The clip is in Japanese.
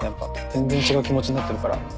全然違う気持ちになってるから。